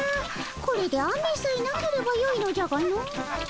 これで雨さえなければよいのじゃがの。